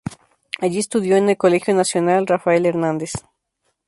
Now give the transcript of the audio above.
Allí estudió en el Colegio Nacional Rafael Hernández.